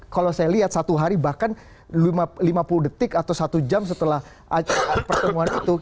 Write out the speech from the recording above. kalau saya lihat satu hari bahkan lima puluh detik atau satu jam setelah acara pertemuan itu